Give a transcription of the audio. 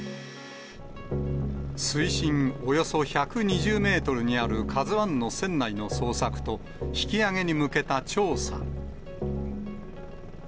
水深およそ１２０メートルにあるＫＡＺＵＩの船内の捜索と、引き揚げに向けた調査。